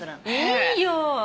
いいよ！